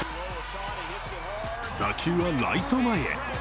打球はライト前へ。